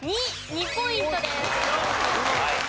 ２ポイントです。